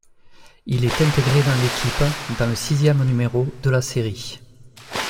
Il est intégré dans l'équipe dans le sixième numéro de la série.